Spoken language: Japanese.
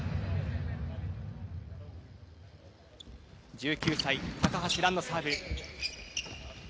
１９歳、高橋藍のサーブ。